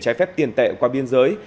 trái phép tiền tệ qua biên giới